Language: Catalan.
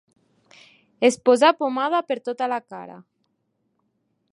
Es posà pomada per tota la cara.